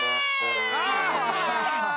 ああ！